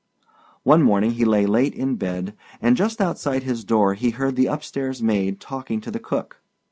One morning he lay late in bed and just outside his door he heard the up stairs maid talking to the cook.